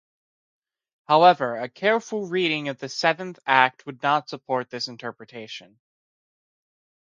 However, a careful reading of the seventh act would not support this interpretation.